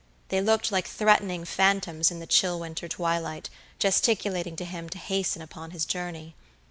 They looked like threatening phantoms in the chill winter twilight, gesticulating to him to hasten upon his journey.